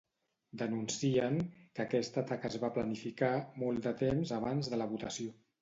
Denuncien que aquest atac es va planificar molt de temps abans de la votació.